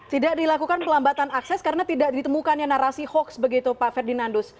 tidak dilakukan pelambatan akses karena tidak ditemukannya narasi hoax begitu pak ferdinandus